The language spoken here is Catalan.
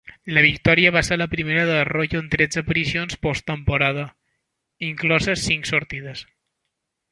La victòria va ser la primera d'Arroyo en tretze aparicions posttemporada, inloses cinc sortides.